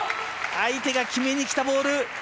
相手が決めに来たボール